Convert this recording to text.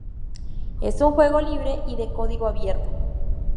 Es un juego libre y de código abierto.